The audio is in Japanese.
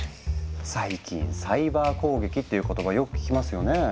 最近サイバー攻撃っていう言葉よく聞きますよね？